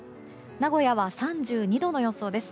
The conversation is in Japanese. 名古屋は３２度の予想です。